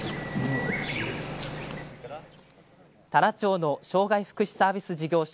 太良町の障害福祉サービス事業所